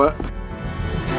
sangat sudah tidak sabar